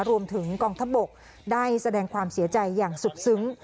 รวมถึงกองทัพบกได้แสดงความเสียใจอย่างสุดซึ้ง